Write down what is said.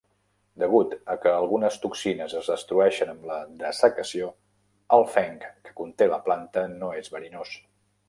Degut a que algunes toxines es destrueixen amb la dessecació, el fenc que conté la planta no és verinós.